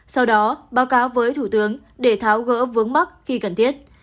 sau đó báo cáo với thủ tướng để tháo gỡ vướng mắt khi cần thiết